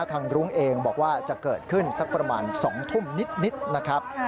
รุ้งเองบอกว่าจะเกิดขึ้นสักประมาณ๒ทุ่มนิดนะครับ